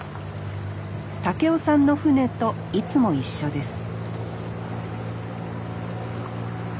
孟夫さんの船といつも一緒です